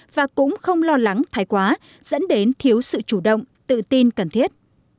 và cũng không lo lắng thái quá dẫn đến thiếu sự chủ động tự tin cần thiết